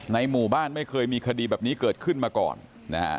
หมู่บ้านไม่เคยมีคดีแบบนี้เกิดขึ้นมาก่อนนะฮะ